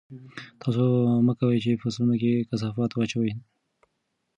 تاسو مه کوئ چې په فصلونو کې کثافات واچوئ.